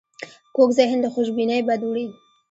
کوږ ذهن له خوشبینۍ بد وړي